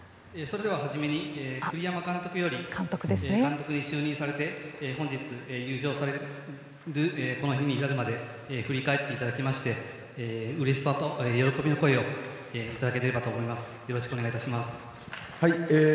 栗山監督に本日優勝されるこの日に至るまでを振り返っていただきましてうれしさと喜びの声をいただければと思います。